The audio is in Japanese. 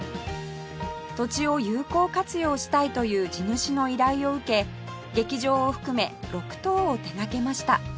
土地を有効活用したいという地主の依頼を受け劇場を含め６棟を手掛けました